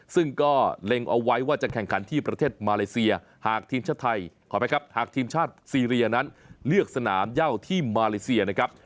ซึ่งก็เล็งเอาไว้ว่าจะแข่งขันที่ประเทศมาเลเซียหากทีมชาติไทยขอไปครับหากทีมชาติซีเรียนั้นเลือกสนามเย่าที่มาเลเซียนะครับ